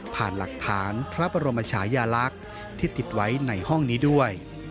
หลักฐานพระบรมชายาลักษณ์ที่ติดไว้ในห้องนี้ด้วย